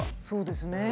そうですね。